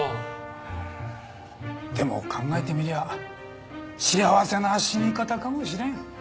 でも考えてみりゃ幸せな死に方かもしれん。